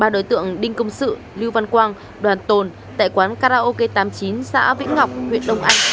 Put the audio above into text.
ba đối tượng đinh công sự lưu văn quang đoàn tồn tại quán karaoke tám mươi chín xã vĩnh ngọc huyện đông anh